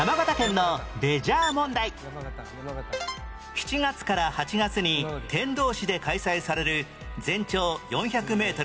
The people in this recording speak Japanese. ７月から８月に天童市で開催される全長４００メートル